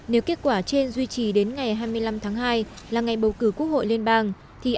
nếu kết quả trên duy trì đến ngày hai mươi năm tháng hai là ngày bầu cử quốc hội liên bang